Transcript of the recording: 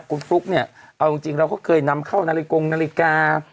คุณฟลุ๊กเนี่ยเอาจริงเราก็เคยนำเข้านาฬิกงนาฬิกา